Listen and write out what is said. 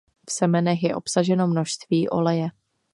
V semenech je obsaženo množství oleje.